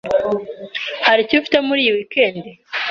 Hari icyo ufite muri iyi weekend?